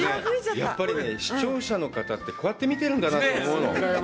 やっぱりね、視聴者の方って、こうやって見てるんだなって思うの。